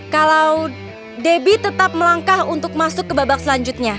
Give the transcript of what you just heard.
kalau debbie tetap melangkah untuk masuk ke babak selanjutnya